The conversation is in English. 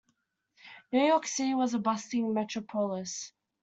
New York City is a bustling metropolis.